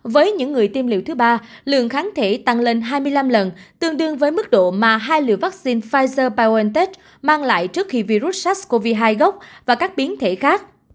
với những người tiêm liệu thứ ba lượng kháng thể tăng lên hai mươi năm lần tương đương với mức độ mà hai liều vaccine pfizer biontech mang lại trước khi virus sars cov hai gốc và các biến thể khác